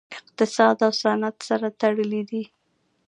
اقتصاد او صنعت سره تړلي دي